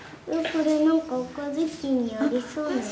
これ、なんか赤ずきんにありそうなやつ。